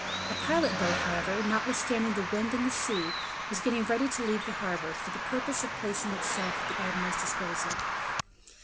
A pilot boat, however, notwithstanding the wind and the sea, was getting ready to leave the harbor, for the purpose of placing itself at the admiral's disposal.